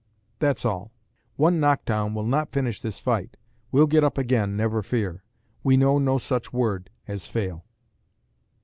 That's all. "One knockdown will not finish this fight. We'll get up again, never fear. We know no such word as fail."